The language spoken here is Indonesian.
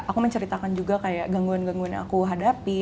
aku menceritakan juga kayak gangguan gangguan yang aku hadapi